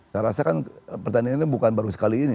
saya rasa kan pertanyaannya bukan baru sekali ini